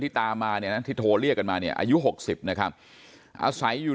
ตามมาเนี่ยนะที่โทรเรียกกันมาเนี่ยอายุ๖๐นะครับอาศัยอยู่